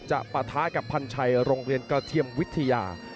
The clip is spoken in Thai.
ปะท้ากับพันชัยโรงเรียนกระเทียมวิทยา